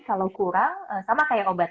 kalau kurang sama kayak obat